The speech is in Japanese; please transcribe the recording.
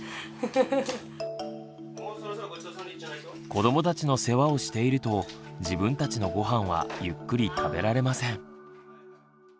子どもたちの世話をしていると自分たちのごはんはゆっくり食べられません。